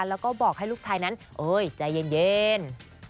แล้วก็บอกให้ลูกชายนั้นใจเย็น